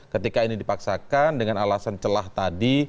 ketika ini dipaksakan dengan alasan celah tadi